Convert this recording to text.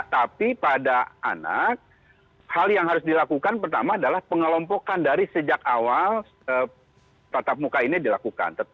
tapi pada anak hal yang harus dilakukan pertama adalah pengelompokan dari sejak awal tatap muka ini dilakukan